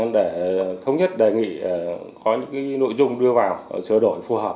để thống nhất đề nghị có những nội dung đưa vào sửa đổi phù hợp